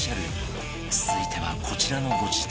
続いてはこちらのご自宅